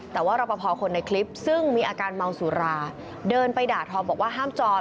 แต่ว่ารอปภคนในคลิปซึ่งมีอาการเมาสุราเดินไปด่าทอบอกว่าห้ามจอด